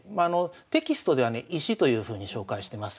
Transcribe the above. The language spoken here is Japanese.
テキストではね「石」というふうに紹介してます。